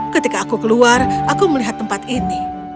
ketika aku keluar aku melihat tempat ini